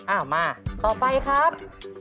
เอามาต่อไปครับ